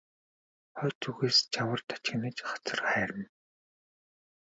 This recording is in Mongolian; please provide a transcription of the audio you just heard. Хойд зүгээс жавар тачигнаж хацар хайрна.